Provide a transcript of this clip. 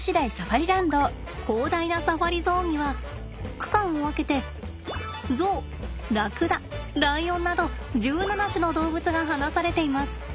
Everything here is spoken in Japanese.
広大なサファリゾーンには区間を分けてゾウラクダライオンなど１７種の動物が放されています。